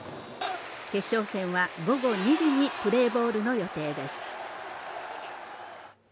決勝戦は午後２時にプレーボールの予定です